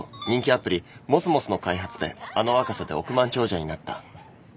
人気アプリモスモスの開発であの若さで億万長者になった。